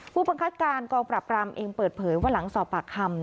ผู้บังคับการกองปรับรามเองเปิดเผยว่าหลังสอบปากคำ